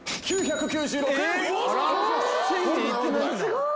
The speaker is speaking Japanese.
すごい。